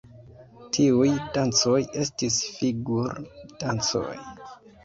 Tiuj dancoj estis figur-dancoj.